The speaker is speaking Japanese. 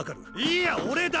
いや俺だ！